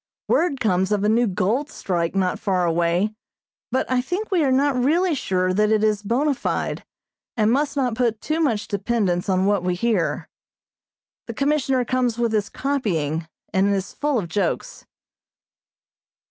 Word comes of a new gold strike not far away, but I think we are not really sure that it is bona fide, and must not put too much dependence on what we hear. The Commissioner comes with his copying, and is full of jokes.